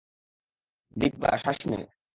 দিব্যা, শ্বাস নে।